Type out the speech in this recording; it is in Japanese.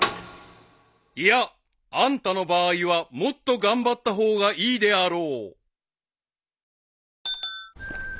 ［いやあんたの場合はもっと頑張った方がいいであろう］